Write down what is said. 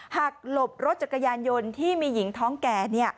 หลบรถจักรยานยนต์ที่มีหญิงท้องแก่